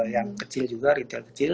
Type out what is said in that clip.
yang kecil juga retail kecil